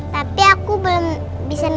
tapi aku belum bisa naik sepeda